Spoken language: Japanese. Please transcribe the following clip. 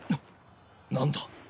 何だ？